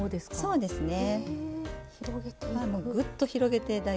そうですね。